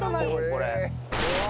これ。